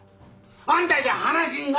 あんたじゃ話にならん！